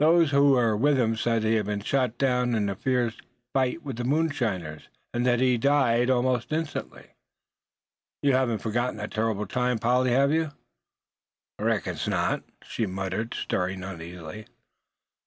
Those who were with him said that he had been shot down in a fierce fight with the moonshiners; and that he had died almost instantly. You haven't forgotten that terrible time, Polly, have you?" "I reckons not," she muttered, stirring uneasily.